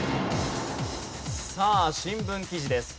さあ新聞記事です。